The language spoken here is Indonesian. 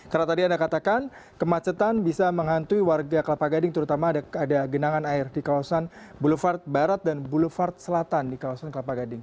karena tadi anda katakan kemacetan bisa menghantui warga kelapa gading terutama ada genangan air di kawasan bulu fard barat dan bulu fard selatan di kawasan kelapa gading